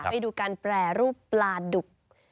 ไปดูการแปรรูปปลาดุก